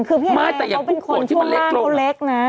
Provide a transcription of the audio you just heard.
คือพี่เอ๊เขาเป็นคนทุกร่างคนเล็กนะ